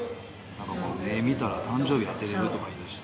目見たら誕生日当てれるとか言うし。